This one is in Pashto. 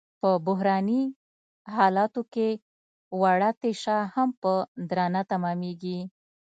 په بحراني حالاتو کې وړه تشه هم په درانه تمامېږي.